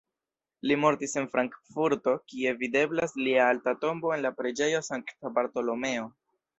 Li mortis en Frankfurto, kie videblas lia alta tombo en la Preĝejo Sankta Bartolomeo.